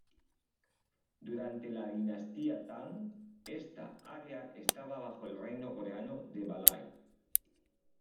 Durante la dinastía Tang, está área estaba bajo el reino coreano de Balhae.